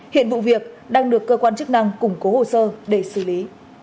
hiện vụ việc đang được cơ quan chức năng củng cố hồ sơ để xử lý